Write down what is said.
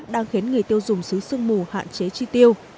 đang khiến người tiêu dùng xứ sương mù hạn chế chi tiêu